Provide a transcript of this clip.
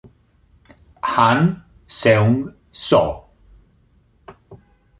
Han Seung-soo